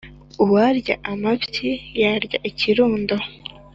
Uwarya amabyi yarya ikirundo.